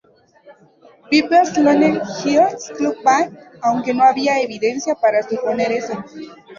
Pepper's Lonely Hearts Club Band", aunque no había evidencia para suponer eso.